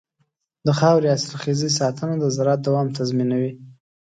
د خاورې حاصلخېزۍ ساتنه د زراعت دوام تضمینوي.